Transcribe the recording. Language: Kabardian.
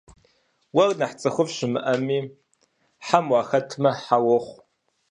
Уэр нэхъ цӏыхуфӏ щымыӏэми - хьэм уахэтмэ, хьэ уохъу.